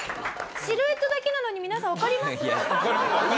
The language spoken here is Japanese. シルエットだけなのに皆さんわかります？